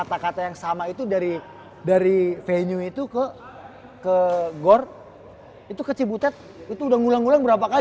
kata kata yang sama itu dari dari venue itu ke gor itu ke cibutet itu udah ngulang ngulang berapa kali